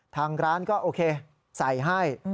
ทางร้านก็โอเคใส่ให้